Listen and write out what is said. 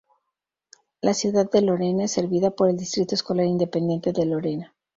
La ciudad de Lorena es servida por el Distrito Escolar Independiente de Lorena.